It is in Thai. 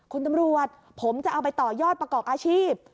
คุณตำรวจผมจะเอาไปต่อยอดประกอบอาชีพ